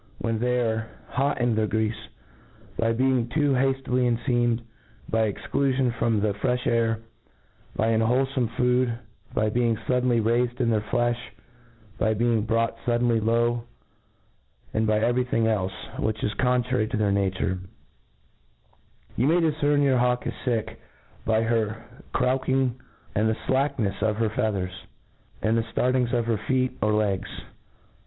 When they arc hot in their greafe j by being too haftily cnfeamed j by exclufion from the frcfli air; by unwholefome food; by being fuddenly raifed in their flefh ; by being brought fuddenly low ; and by every thing elfe which is contrary to their nature* Yoil may difcern when your hawk is fick, by her crowcking^ and the flacknefs of her feathers, and the ftartings of her feet, or legs.